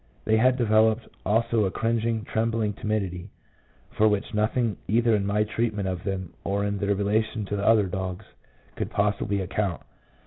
They had developed also a cringing, trembling timidity, for which nothing either in my treatment of them or in their relation to other dogs could possibly account.